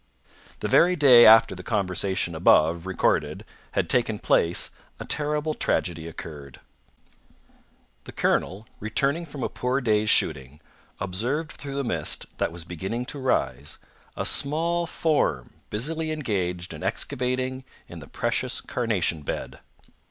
The very day after the conversation above recorded had taken place a terrible tragedy occurred. The colonel, returning from a poor day's shooting, observed through the mist that was beginning to rise a small form busily engaged in excavating in the precious carnation bed.